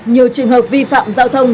nhiều trường hợp vi phạm giao thông